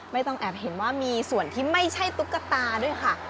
ไม่ต้องแอบเห็นว่ามีส่วนที่ไม่ใช่ตุ๊กตาด้วยค่ะ